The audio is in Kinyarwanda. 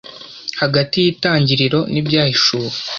Hagati y'Itangiriro n'Ibyahishuwe